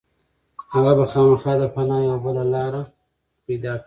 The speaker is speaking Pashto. هغه به خامخا د پناه یوه بله لاره پيدا کړي.